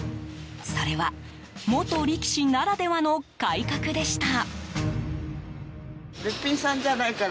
それは元力士ならではの改革でした。